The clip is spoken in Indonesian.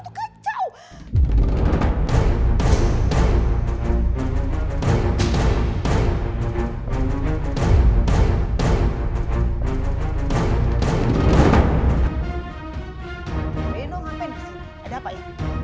reno ngapain di sini ada apa ya